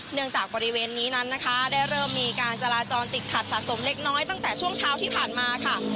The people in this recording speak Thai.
จากบริเวณนี้นั้นนะคะได้เริ่มมีการจราจรติดขัดสะสมเล็กน้อยตั้งแต่ช่วงเช้าที่ผ่านมาค่ะ